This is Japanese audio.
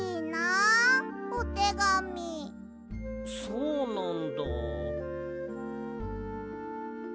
そうなんだ。